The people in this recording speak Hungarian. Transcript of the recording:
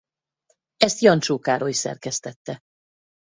Ezt Jancsó Károly szerkesztette.